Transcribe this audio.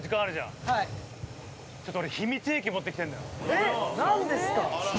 えっ何ですか？